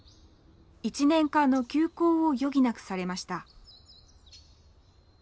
１年間の休校を余儀なくされました。